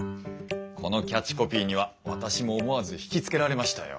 このキャッチコピーには私も思わずひきつけられましたよ。